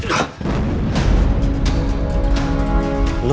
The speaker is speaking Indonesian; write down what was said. kenapa dengan kebijakan